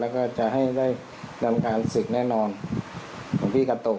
แล้วก็จะให้ได้นำการศึกแน่นอนหลวงพี่กาโต